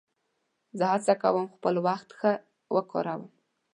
زه هڅه کوم خپل وخت ښه وکاروم.